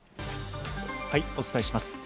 お伝えします。